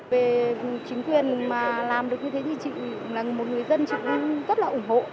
về chính quyền mà làm được như thế thì chị là một người dân chị cũng rất là ủng hộ